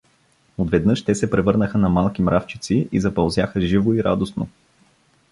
Отведнъж те се превърнаха на малки мравчици и запълзяха живо и радостно.